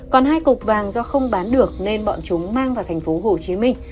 còn hai cục vàng do không bán được nên bọn chúng mang vào thành phố hồ chí minh